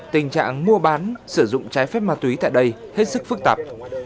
tình trạng mua bán sử dụng trái phép ma túy tại đây hết sức phức tạp